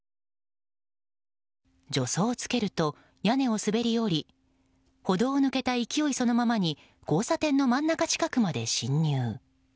助走をつけると、屋根を滑り降り歩道を抜けた勢いそのままに交差点の真ん中近くまで侵入。